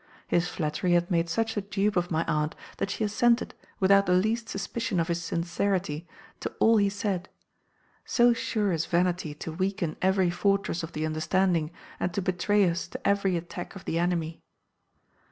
His flattery had made such a dupe of my aunt that she assented, without the least suspicion of his sincerity, to all he said; so sure is vanity to weaken every fortress of the understanding, and to betray us to every attack of the enemy.